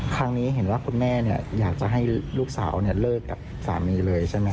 ครั้งนี้เห็นว่าคุณแม่อยากจะให้ลูกสาวเลิกกับสามีเลยใช่ไหม